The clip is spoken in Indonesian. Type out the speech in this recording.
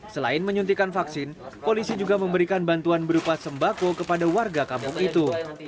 selain menyuntikan vaksin polisi juga memberikan bantuan berupa sembako kepada warga kampung itu